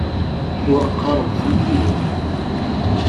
Ur qqaremt i yiwen!